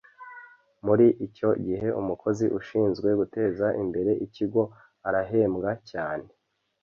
Muri icyo gihe Umukozi ushinzwe guteza imbere ikigo arahembwa cyane